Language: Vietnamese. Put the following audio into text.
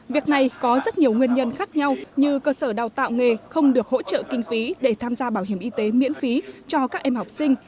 việc này có rất nhiều nguyên nhân khác nhau như cơ sở đào tạo nghề không được hỗ trợ kinh phí để tham gia bảo hiểm y tế miễn phí cho các em học sinh